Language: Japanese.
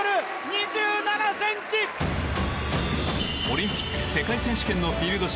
オリンピック世界選手権のフィールド